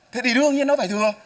tất nhiên nó phải thừa